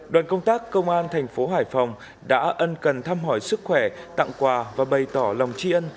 đoàn công tác công an thành phố hải phòng đã ân cần thăm hỏi sức khỏe tặng quà và bày tỏ lòng tri ân